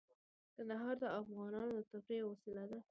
کندهار د افغانانو د تفریح یوه وسیله ده.